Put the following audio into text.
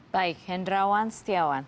baik hendrawan setiawan